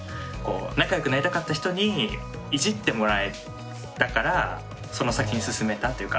仲良くなりたかった人にいじってもらえたからその先に進めたというか。